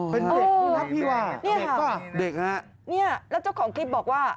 เป็นเด็กด้วยนะพี่ว่าเด็กป่ะเด็กฮะเนี่ยแล้วเจ้าของคลิปบอกว่า